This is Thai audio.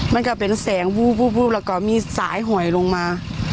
มันก็เป็นแสงวูบแล้วก็มีสายหอยลงมา